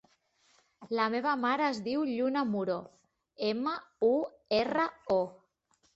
La meva mare es diu Lluna Muro: ema, u, erra, o.